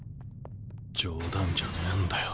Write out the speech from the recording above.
冗談じゃねえんだよ